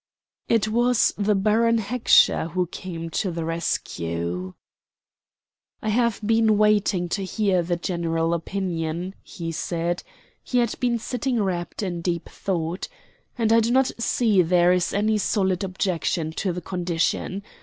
It was the Baron Heckscher who came to the rescue. "I have been waiting to hear the general opinion," he said he had been sitting rapt in deep thought "and I do not see there is any solid objection to the condition.